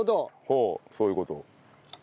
ほうそういう事。